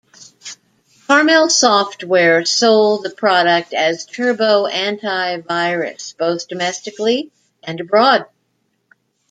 Carmel Software sold the product as Turbo Anti-Virus both domestically and abroad.